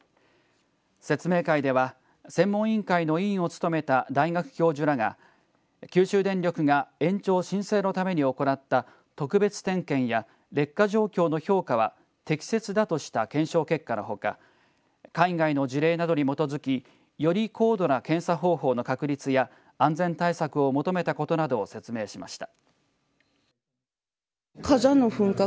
説明会では専門委員会の委員を務めた大学教授らが九州電力が延長申請のために行った特別点検や、劣化状況の評価は適切だとした検証結果のほか海外の事例などに基づきより高度な検査方法の確立や安全対策を求めたことなどを説明しました。